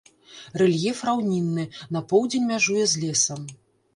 Рэльеф раўнінны, на поўдзень мяжуе з лесам.